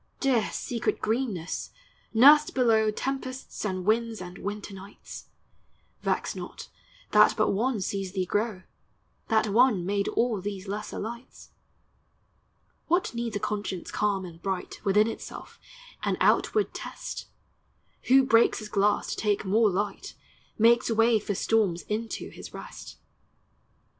Dear, secret greenness! nursl below Tempests and winds and winter nights! Vex not, that but One sees thee grow; That One made all these lesser lights. What needs a conscience calm and bright Within itself, an outward test? Who breaks his glass, to take more light, Makes way for storms into his rest.